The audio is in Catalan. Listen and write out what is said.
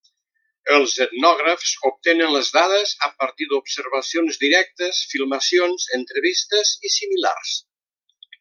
Els etnògrafs obtenen les dades a partir d'observacions directes, filmacions, entrevistes i similars.